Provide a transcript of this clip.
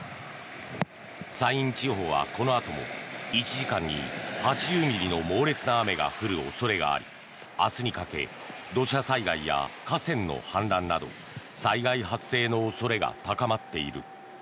山陰地方はこのあとも１時間に８０ミリの猛烈な雨が降る恐れがあり明日にかけ土砂災害や河川の氾濫など災害発生の恐れが高まっている。